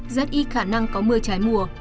rất ít khả năng có mưa trái mùa